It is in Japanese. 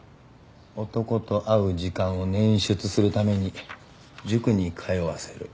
男と会う時間を捻出するために塾に通わせる。